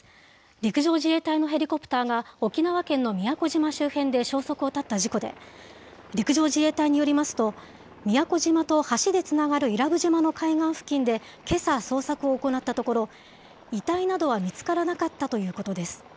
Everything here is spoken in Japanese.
陸上自衛隊のヘリコプターが、沖縄県の宮古島周辺で消息を絶った事故で、陸上自衛隊によりますと、宮古島と橋でつながる伊良部島の海岸付近でけさ捜索を行ったところ、遺体などは見つからなかったということです。